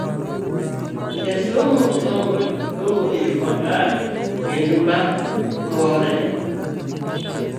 Jasomo somo e yo mare kendo ma more.